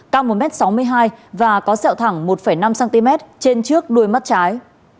cao một m sáu mươi hai và có sẹo thẳng một năm cm trên trước đuôi mắt trái